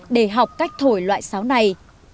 để học cách thổi loại sáo này